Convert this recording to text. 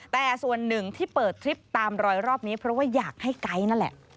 แต่ส่วนหนึ่งที่เปิดทริปตามรอยรอบนี้เพราะว่าอยากให้ไก๊นั่นแหละ